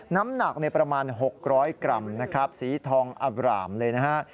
น้ำหนักประมาณ๖๐๐กรัมนะครับสีทองอบรามเลยนะฮะ